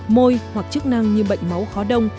môi hoặc chức năng như bệnh máu khó đông